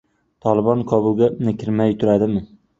"Tolibon" Kobulga kirmay turadimi